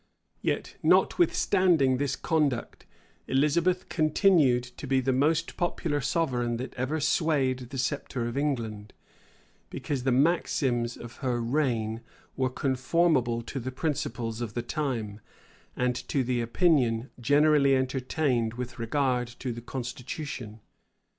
Yet, notwithstanding this conduct, Elizabeth continued to be the most popular sovereign that ever swayed the sceptre of England; because the maxims of her reign were conformable to the principles of the times, and to the opinion generally entertained with regard to the constitution.